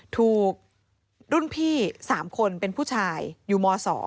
ถูกรุ่นพี่๓คนเป็นผู้ชายอยู่ม๒